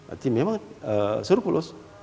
artinya memang seru pulus